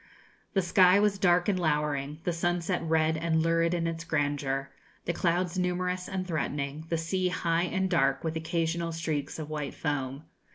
The sky was dark and lowering, the sunset red and lurid in its grandeur, the clouds numerous and threatening, the sea high and dark, with occasional streaks of white foam.